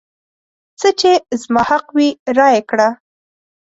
څه چې زما حق وي رایې کړه.